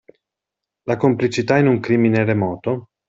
La complicità in un crimine remoto?